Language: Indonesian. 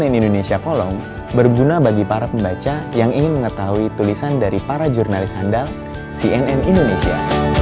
dan cnn indonesia kolom berguna bagi para pembaca yang ingin mengetahui tulisan dari para jurnalis handal cnn indonesia